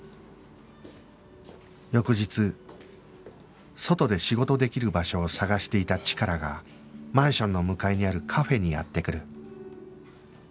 翌日外で仕事できる場所を探していたチカラがマンションの向かいにあるカフェにやって来る